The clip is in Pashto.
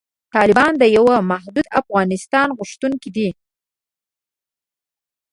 طالبان د یوې متحدې افغانستان غوښتونکي دي.